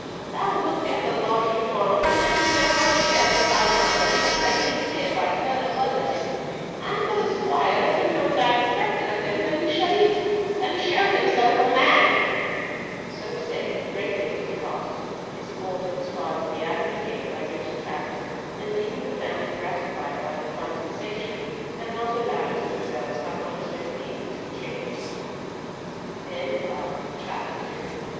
Thou wilt be at the lodge to morrow to let me know how it fares with thy mother, when her brain is cleared by further blood letting. And for the squire, let him know that I expect it of him that he shall eat, and show himself a man!" So saying, the great lady departed, escorted as far as the avenue gate by Richard Talbot, and leaving the family gratified by her condescension, and not allowing to themselves how much their feelings were chafed. CHAPTER III.